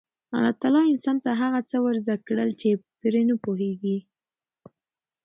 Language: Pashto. الله تعالی انسان ته هغه څه ور زده کړل چې نه پوهېده.